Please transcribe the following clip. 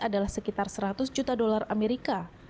adalah sekitar seratus juta dolar amerika